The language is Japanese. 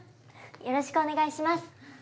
よろしくお願いします！